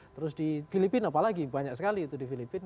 terus di filipina apalagi banyak sekali itu di filipina